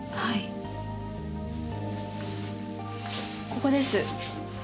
ここです。